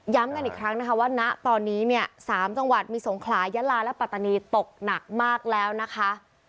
ย้ำกันอีกครั้งว่าตอนนี้สามจังหวัดมีสงขลายะลาและปตนีตกหนักมากแล้วนะคะ